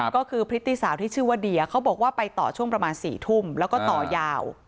ก็คือพริตตี้สาวที่ชื่อว่าเดียเขาบอกว่าไปต่อช่วงประมาณ๔ทุ่มแล้วก็ต่อยาว